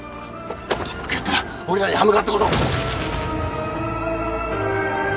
特服やったら俺らに歯向かったこと。